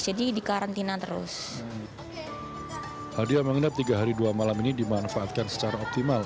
jadi dikarantina terus hadiah mengendap tiga hari dua malam ini dimanfaatkan secara optimal